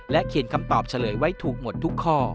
เขียนคำตอบเฉลยไว้ถูกหมดทุกข้อ